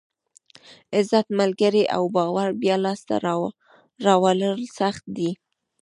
عزت، ملګري او باور بیا لاسته راوړل سخت دي.